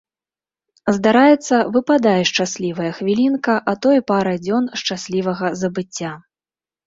Здараецца, выпадае шчаслівая хвілінка, а то і пара дзён шчаслівага забыцця.